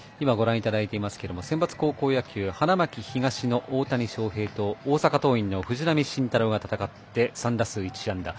センバツ高校野球花巻東の大谷翔平と大阪桐蔭の藤浪晋太郎が戦って３打数１安打。